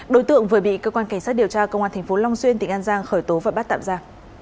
đối tượng vừa bị cơ quan cảnh sát điều tra công an tp long xuyên tỉnh an giang khởi tố và bắt tạm ra